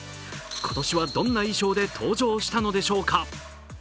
今年はどんな衣装で登場したのでしょうか。